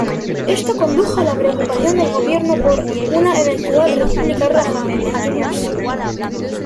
Esto condujo a la preocupación del gobierno por una eventual "República Roja" en Toulouse.